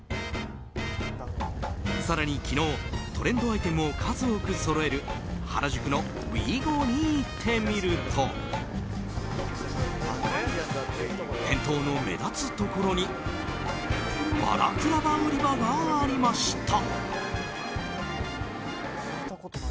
更に昨日、トレンドアイテムを数多くそろえる原宿のＷＥＧＯに行ってみると店頭の目立つところにバラクラバ売り場がありました。